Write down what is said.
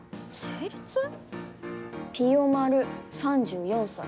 ぴよまる３４歳。